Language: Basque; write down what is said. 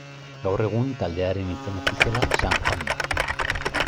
Gaur egun taldearen izen ofiziala San Juan da.